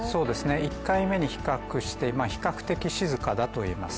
１回目と比較して、比較的静かだと言えます。